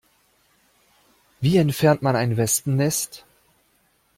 Wie entfernt man ein Wespennest?